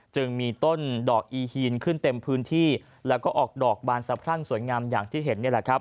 จึงมีต้นดอกอีฮีนขึ้นเต็มพื้นที่แล้วก็ออกดอกบานสะพรั่งสวยงามอย่างที่เห็นนี่แหละครับ